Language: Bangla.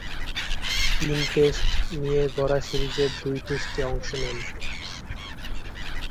তিন টেস্ট নিয়ে গড়া সিরিজের দুই টেস্টে অংশ নেন।